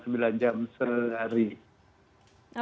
terus kira kira mungkin bisa lebih dari enam jam